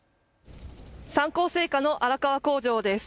三幸製菓の荒川工場です。